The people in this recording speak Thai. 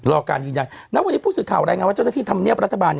รอการยืนยันณวันนี้ผู้สื่อข่าวรายงานว่าเจ้าหน้าที่ธรรมเนียบรัฐบาล